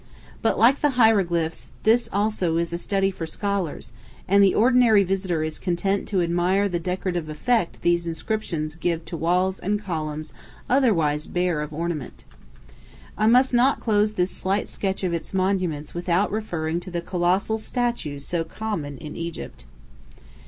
But, like the hieroglyphs, this also is a study for scholars, and the ordinary visitor is content to admire the decorative effect these inscriptions give to walls and columns otherwise bare of ornament. I must not close this slight sketch of its monuments without referring to the colossal statues so common in Egypt.